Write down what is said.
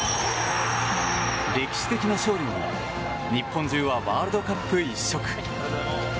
歴史的な勝利に日本中はワールドカップ一色。